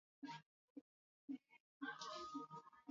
Mmoja wa wakazi wa mtaa wa kwa lulenge kata ya Buza Frank John ameeleza